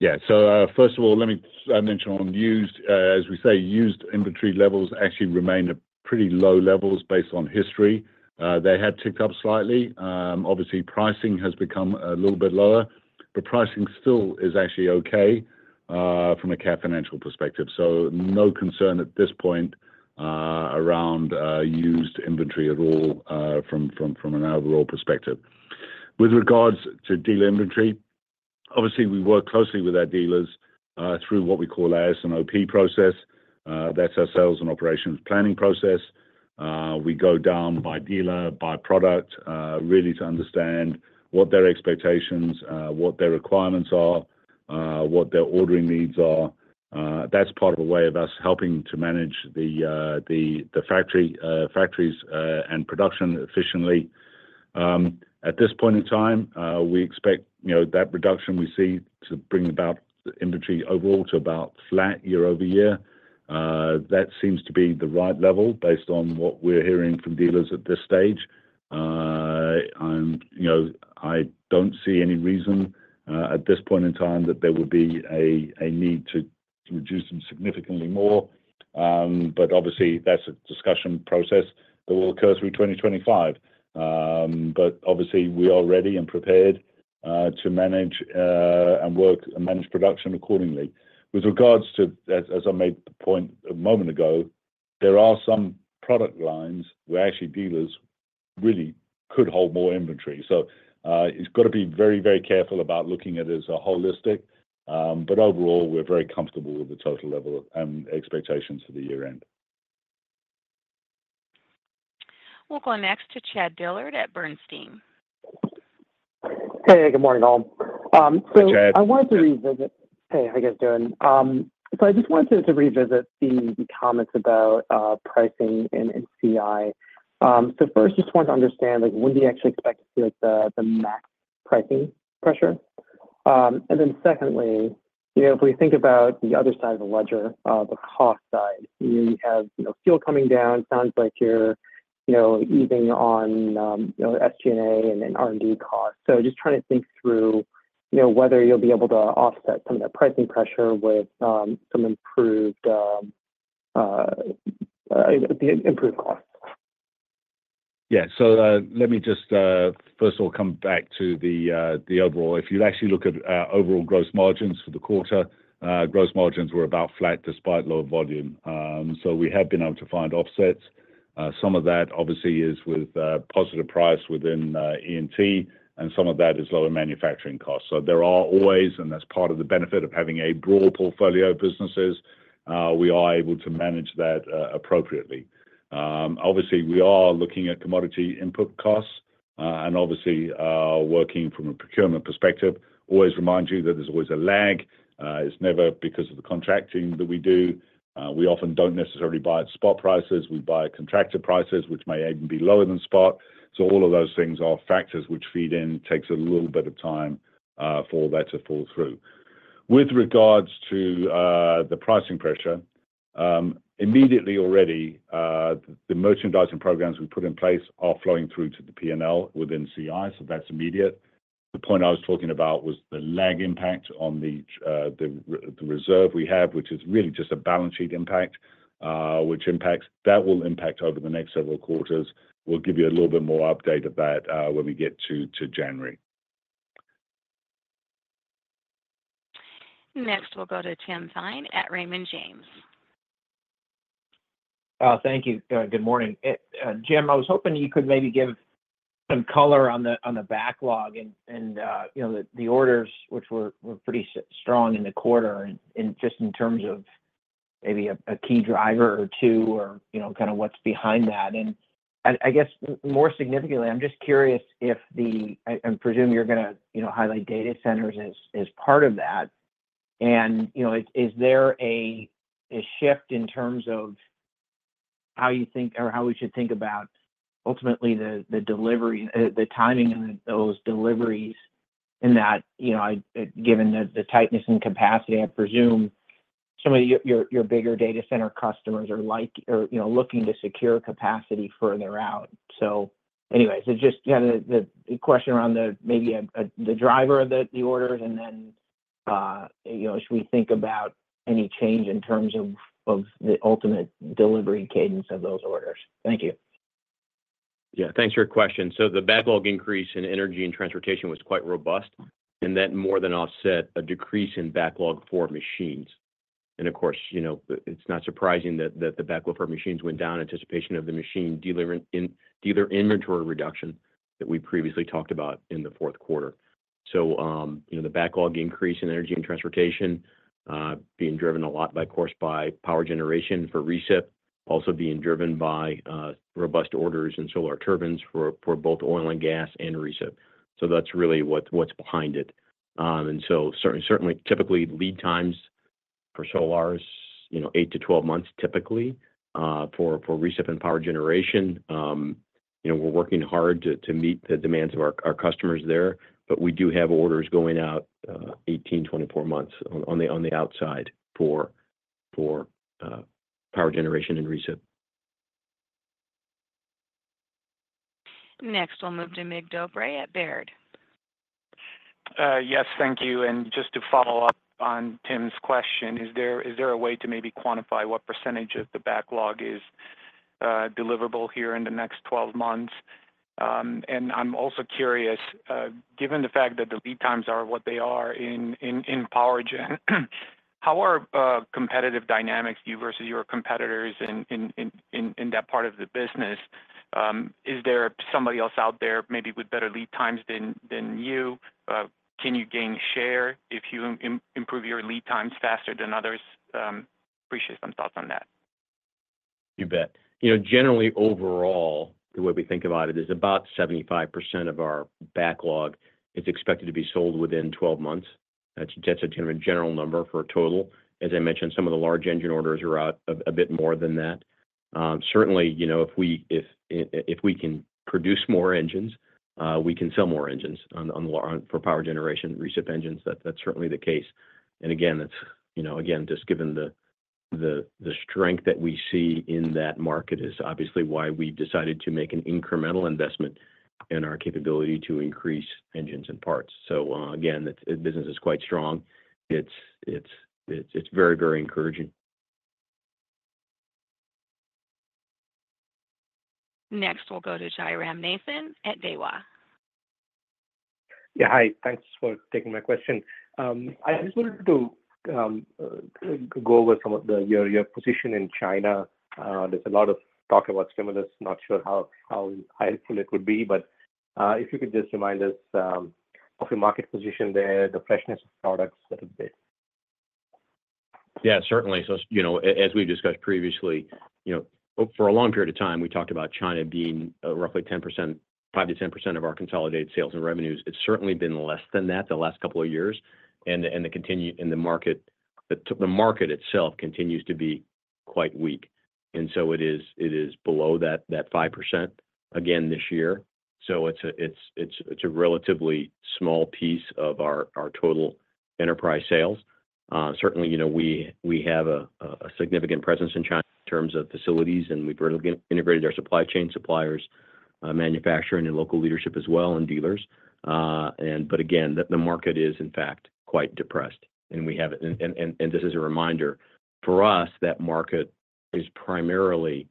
Yeah. So first of all, let me mention on used, as we say, used inventory levels actually remain at pretty low levels based on history. They have ticked up slightly. Obviously, pricing has become a little bit lower, but pricing still is actually okay from a Cat Financial perspective. So no concern at this point around used inventory at all from an overall perspective. With regards to dealer inventory, obviously, we work closely with our dealers through what we call S&OP process. That's our sales and operations planning process. We go down by dealer, by product, really to understand what their expectations, what their requirements are, what their ordering needs are. That's part of a way of us helping to manage the factories and production efficiently. At this point in time, we expect that reduction we see to bring about inventory overall to about flat year-over-year. That seems to be the right level based on what we're hearing from dealers at this stage. I don't see any reason at this point in time that there would be a need to reduce them significantly more. But obviously, that's a discussion process that will occur through 2025. But obviously, we are ready and prepared to manage and work and manage production accordingly. With regards to, as I made point a moment ago, there are some product lines where actually dealers really could hold more inventory. So it's got to be very, very careful about looking at it as a holistic. But overall, we're very comfortable with the total level and expectations for the year end. We'll go next to Chad Dillard at Bernstein. Hey, good morning all. So I wanted to revisit hey, how you guys doing? So I just wanted to revisit the comments about pricing and CI. So first, just wanted to understand when do you actually expect to see the max pricing pressure? And then secondly, if we think about the other side of the ledger, the cost side, we have fuel coming down. Sounds like you're easing on SG&A and R&D costs. So just trying to think through whether you'll be able to offset some of that pricing pressure with some improved costs. Yeah. So let me just first of all come back to the overall. If you actually look at overall gross margins for the quarter, gross margins were about flat despite low volume. So we have been able to find offsets. Some of that obviously is with positive price within E&T, and some of that is lower manufacturing costs. So there are always, and that's part of the benefit of having a broad portfolio of businesses. We are able to manage that appropriately. Obviously, we are looking at commodity input costs, and obviously, working from a procurement perspective, always remind you that there's always a lag. It's never because of the contracting that we do. We often don't necessarily buy at spot prices. We buy at contractor prices, which may even be lower than spot. So all of those things are factors which feed in. It takes a little bit of time for that to flow through. With regards to the pricing pressure, immediately already, the merchandising programs we put in place are flowing through to the P&L within CI. So that's immediate. The point I was talking about was the lag impact on the reserve we have, which is really just a balance sheet impact, which impacts that will impact over the next several quarters. We'll give you a little bit more update of that when we get to January. Next, we'll go to Tim Thein at Raymond James. Thank you. Good morning. Jim, I was hoping you could maybe give some color on the backlog and the orders, which were pretty strong in the quarter, and just in terms of maybe a key driver or two or kind of what's behind that. And I guess more significantly, I'm just curious if I presume you're going to highlight data centers as part of that. And is there a shift in terms of how you think or how we should think about ultimately the timing of those deliveries in that, given the tightness and capacity? I presume some of your bigger data center customers are looking to secure capacity further out. So anyway, so just the question around maybe the driver of the orders and then should we think about any change in terms of the ultimate delivery cadence of those orders. Thank you. Yeah. Thanks for your question. The backlog increase in energy and transportation was quite robust, and that more than offset a decrease in backlog for machines. Of course, it's not surprising that the backlog for machines went down in anticipation of the machine dealer inventory reduction that we previously talked about in the fourth quarter. The backlog increase in energy and transportation being driven a lot, of course, by power generation for reciprocating, also being driven by robust orders in Solar Turbines for both oil and gas and reciprocating. That's really what's behind it. Certainly, typically, lead times for Solar Turbines are 8-12 months typically for reciprocating and power generation. We're working hard to meet the demands of our customers there, but we do have orders going out 18-24 months on the outside for power generation and reciprocating. Next, we'll move to Mircea Dobre at Baird. Yes, thank you, and just to follow up on Tim's question, is there a way to maybe quantify what percentage of the backlog is deliverable here in the next 12 months, and I'm also curious, given the fact that the lead times are what they are in power gen, how are competitive dynamics versus your competitors in that part of the business? Is there somebody else out there maybe with better lead times than you? Can you gain share if you improve your lead times faster than others? Appreciate some thoughts on that. You bet. Generally, overall, the way we think about it is about 75% of our backlog is expected to be sold within 12 months. That's a general number for a total. As I mentioned, some of the large engine orders are out a bit more than that. Certainly, if we can produce more engines, we can sell more engines for power generation, reciprocating engines. That's certainly the case. And again, just given the strength that we see in that market is obviously why we've decided to make an incremental investment in our capability to increase engines and parts. So again, the business is quite strong. It's very, very encouraging. Next, we'll go to Jairam Nathan at Daiwa. Yeah. Hi. Thanks for taking my question. I just wanted to go over some of your position in China. There's a lot of talk about stimulus. Not sure how helpful it would be, but if you could just remind us of your market position there, the freshness of products a little bit. Yeah, certainly. As we've discussed previously, for a long period of time, we talked about China being roughly 5%-10% of our consolidated sales and revenues. It's certainly been less than that the last couple of years. And the market itself continues to be quite weak. And so it is below that 5% again this year. So it's a relatively small piece of our total enterprise sales. Certainly, we have a significant presence in China in terms of facilities, and we've integrated our supply chain suppliers, manufacturing, and local leadership as well, and dealers. But again, the market is, in fact, quite depressed. And this is a reminder for us that market is primarily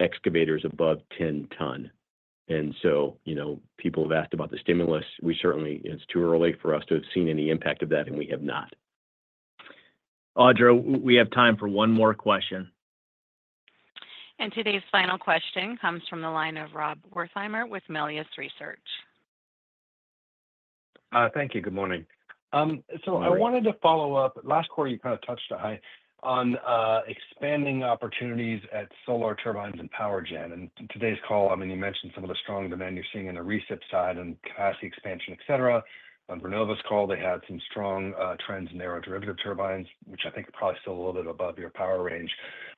excavators above 10 ton. And so people have asked about the stimulus. We certainly, it's too early for us to have seen any impact of that, and we have not. Audra, we have time for one more question. And today's final question comes from the line of Rob Wertheimer with Melius Research. Thank you. Good morning. So I wanted to follow up last quarter. You kind of touched on expanding opportunities at Solar Turbines and power gen. And today's call, I mean, you mentioned some of the strong demand you're seeing on the recip side and capacity expansion, etc. On Vernova's call, they had some strong trends in their aeroderivative turbines, which I think are probably still a little bit above your power range.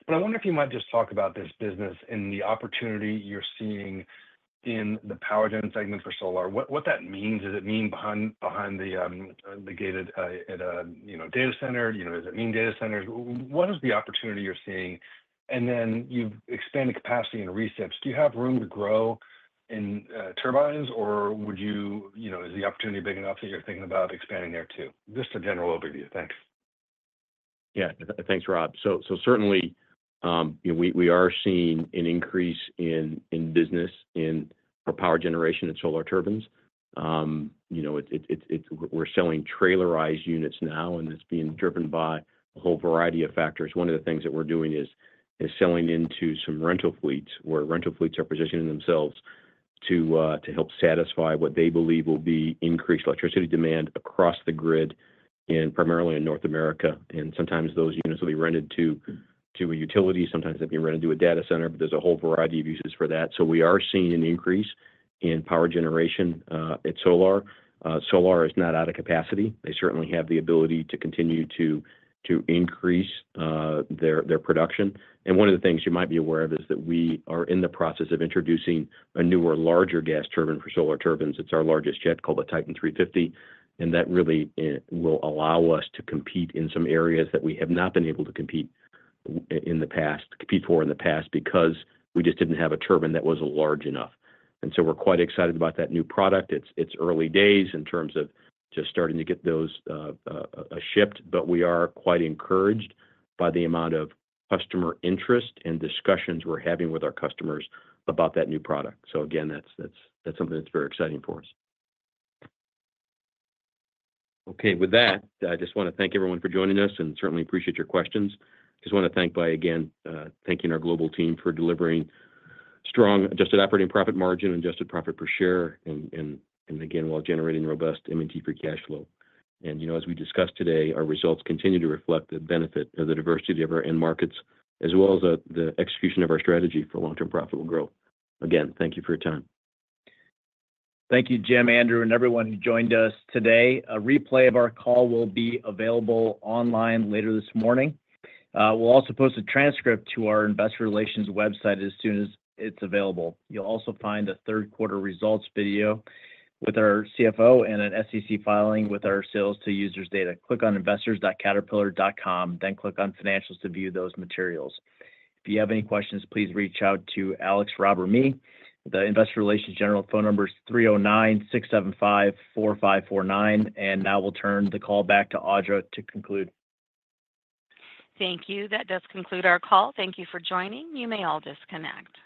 But I wonder if you might just talk about this business and the opportunity you're seeing in the power gen segment for Solar. What that means? Does it mean behind the gated data center? Does it mean data centers? What is the opportunity you're seeing? And then you've expanded capacity and recips. Do you have room to grow in turbines, or is the opportunity big enough that you're thinking about expanding there too? Just a general overview. Thanks. Yeah. Thanks, Rob. So certainly, we are seeing an increase in business for power generation and Solar Turbines. We're selling trailerized units now, and it's being driven by a whole variety of factors. One of the things that we're doing is selling into some rental fleets where rental fleets are positioning themselves to help satisfy what they believe will be increased electricity demand across the grid in primarily North America. And sometimes those units will be rented to a utility. Sometimes they've been rented to a data center, but there's a whole variety of uses for that. So we are seeing an increase in power generation at Solar. Solar is not out of capacity. They certainly have the ability to continue to increase their production. One of the things you might be aware of is that we are in the process of introducing a newer, larger gas turbine for Solar Turbines. It's our largest yet called the Titan 350. That really will allow us to compete in some areas that we have not been able to compete for in the past because we just didn't have a turbine that was large enough. So we're quite excited about that new product. It's early days in terms of just starting to get those shipped, but we are quite encouraged by the amount of customer interest and discussions we're having with our customers about that new product. Again, that's something that's very exciting for us. Okay. With that, I just want to thank everyone for joining us and certainly appreciate your questions. Just want to thank them again, thanking our global team for delivering strong adjusted operating profit margin, adjusted profit per share, and again, while generating robust ME&T free cash flow. And as we discussed today, our results continue to reflect the benefit of the diversity of our end markets as well as the execution of our strategy for long-term profitable growth. Again, thank you for your time. Thank you Jim, Andrew, and everyone who joined us today. A replay of our call will be available online later this morning. We'll also post a transcript to our investor relations website as soon as it's available. You'll also find a third-quarter results video with our CFO and an SEC filing with our sales to users data. Click on investors.caterpillar.com, then click on financials to view those materials. If you have any questions, please reach out to Alex, Rob, or me. The investor relations general phone number is 309-675-4549. And now we'll turn the call back to Audra to conclude. Thank you. That does conclude our call. Thank you for joining. You may all disconnect.